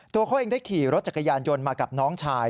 ตัวเขาเองได้ขี่รถจักรยานยนต์มากับน้องชาย